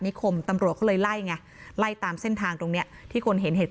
คมตำรวจเขาเลยไล่ไงไล่ตามเส้นทางตรงเนี้ยที่คนเห็นเหตุ